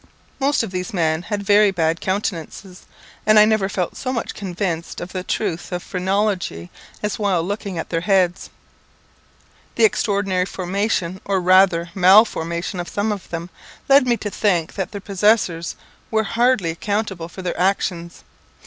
Most of these men had very bad countenances, and I never felt so much convinced of the truth of phrenology as while looking at their heads. The extraordinary formation, or rather mal formation, of some of them, led me to think that their possessors were hardly accountable for their actions.